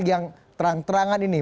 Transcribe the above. yang terang terangan ini